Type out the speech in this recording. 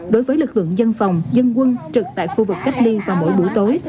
đối với lực lượng dân phòng dân quân trực tại khu vực cách ly và mỗi buổi tối